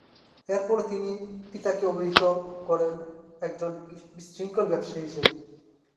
এর ফলে তিনি পিতাকে অভিহিত করেন একজন "বিশৃঙ্খল ব্যবসায়ী" হিসেবে।